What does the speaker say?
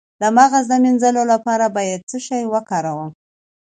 د مغز د مینځلو لپاره باید څه شی وکاروم؟